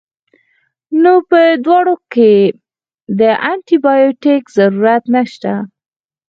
نو پۀ دواړو کښې د انټي بائيوټک ضرورت نشته